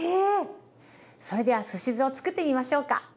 それではすし酢をつくってみましょうか。